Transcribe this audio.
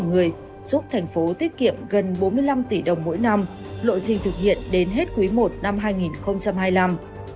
giúp người giúp thành phố tiết kiệm gần bốn mươi năm tỷ đồng mỗi năm lộ trình thực hiện đến hết quý i năm hai nghìn hai mươi năm